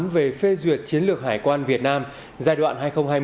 về phê duyệt chiến lược hải quan việt nam giai đoạn hai nghìn hai mươi hai nghìn ba mươi